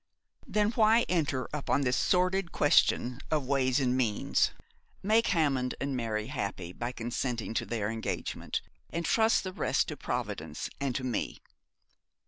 'Then why enter upon this sordid question of ways and means. Make Hammond and Mary happy by consenting to their engagement, and trust the rest to Providence, and to me.